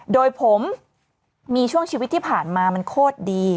โดยผมมีช่วงชีวิตที่ผ่านมามันโคตรดี